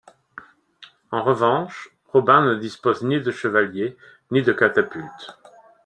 En revanche, Robin ne dispose ni de chevaliers ni de catapultes.